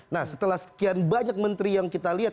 nah setelah sekian banyak menteri yang kita lihat